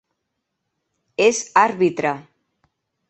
És àrbitre.